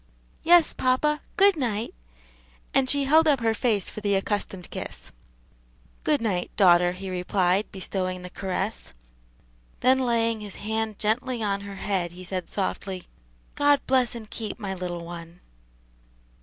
"Yes, papa; good night," and she held up her face for the accustomed kiss. "Good night, daughter," he replied, bestowing the caress. Then laying his hand gently on her head, he said softly, "God bless and keep my little one."